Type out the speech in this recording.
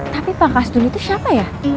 tapi pak kastun itu siapa ya